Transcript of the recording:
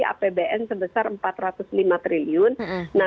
apbn sebesar rp empat ratus lima triliun